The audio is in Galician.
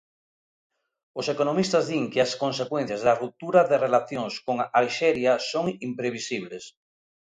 Os economistas din que as consecuencias da ruptura de relacións con Alxeria son imprevisibles.